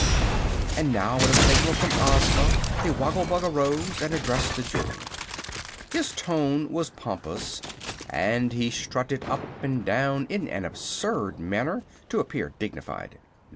And now, at a signal from Ozma, the Woggle Bug arose and addressed the jury. His tone was pompous and he strutted up and down in an absurd attempt to appear dignified.